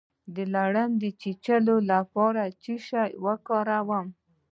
د لړم د چیچلو لپاره باید څه شی وکاروم؟